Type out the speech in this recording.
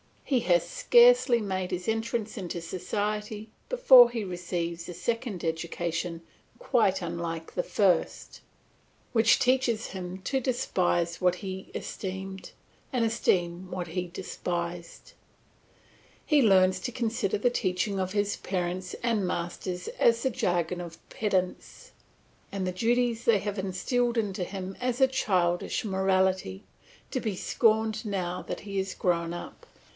He has scarcely made his entrance into society before he receives a second education quite unlike the first, which teaches him to despise what he esteemed, and esteem what he despised; he learns to consider the teaching of his parents and masters as the jargon of pedants, and the duties they have instilled into him as a childish morality, to be scorned now that he is grown up.